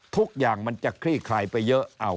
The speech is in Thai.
ทุกอย่างมันจะคลี่คลายไปเยอะ